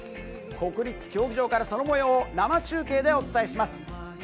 国立競技場からそのもようを生中継でお伝えします。